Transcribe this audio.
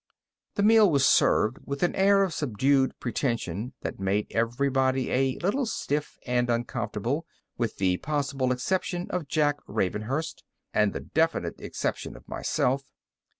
The meal was served with an air of subdued pretension that made everybody a little stiff and uncomfortable, with the possible exception of Jack Ravenhurst, and the definite exception of myself.